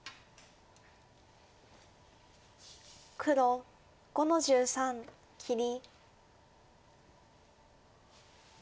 黒５の十三切り。